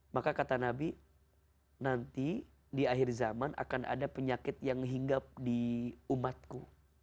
maka kata nabi nanti di akhir zaman akan ada penyakit yang hinggap di umatku